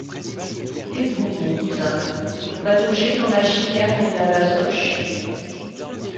Et vous, mon cousin, vous pataugez dans la chicane et la basoche ?